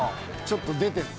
ちょっと出てる？